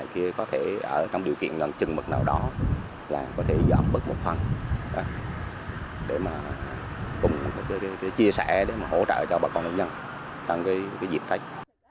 chia sẻ để hỗ trợ cho bà con người dân cho dịp phách